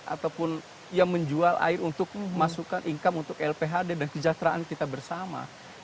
atau menjual air untuk memasukkan income untuk lphd dan kejahteraan kita bersama